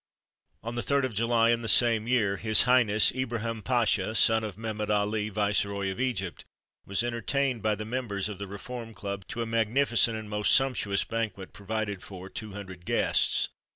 On the 3rd of July in the same year, his Highness Ibrahim Pacha, son of Mehemet Ali, Viceroy of Egypt, was entertained by the members of the Reform Club to a magnificent and most sumptuous banquet provided for two hundred guests.